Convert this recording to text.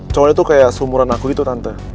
cowoknya tuh kayak seumuran aku gitu tante